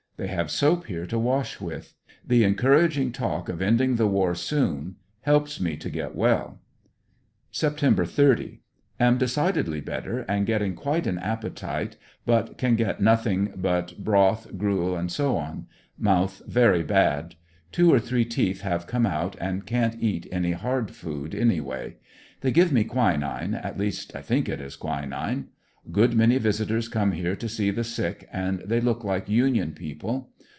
They have soap here to wash with. The encouraging talk of ending the war soon helps me to get well. Sept. 30. — Am decidedly better and getting quite an appetite^ but ANDER80NVILLE DIARY. 99 CLn get nothing but broth, gruel, &c. Mouth very bad. Two or three teeth have come out, and can't eat. any hard food any way, They give me quinine, at least I think it is quinine. Good many visitors come here to see the sick, and they look like union people.